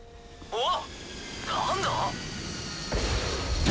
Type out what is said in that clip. あっ。